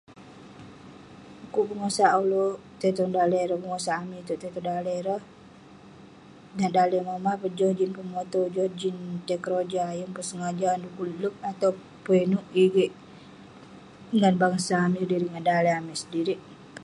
Pu'kuk bengosak ulouk tai tong daleh ireh...bengosak amik itouk tai tong daleh ireh, nat daleh mah mah peh..joh jin pemotow, joh jin tai keroja..yeng peh sengaja, du'kuk ulouk atau peh inouk, igeik..ngan bangsa amik sedirik..ngan daleh amik sedirik..